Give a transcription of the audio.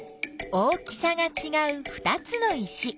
大きさがちがう２つの石。